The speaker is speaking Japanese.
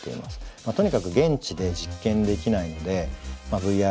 とにかく現地で実験できないのでＶＲ